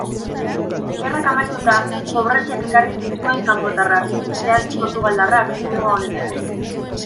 Gerrak amaituta, pobreziak ekarri zituen kanpotarrak, zehazki portugaldarrak, muga honetara.